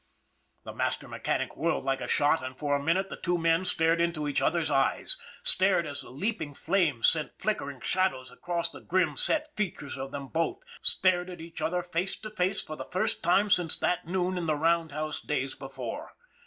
The master mechanic whirled like a shot, and for a minute the two men stared into each other's eyes, stared as the leaping flames sent flickering shadows across the grim, set features of them both, stared at each other face to face for the first time since that noon in the roundhouse days before.